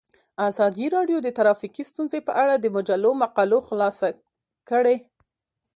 ازادي راډیو د ټرافیکي ستونزې په اړه د مجلو مقالو خلاصه کړې.